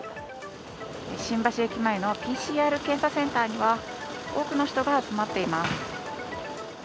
新橋駅前のＰＣＲ検査センターには多くの人が集まっています。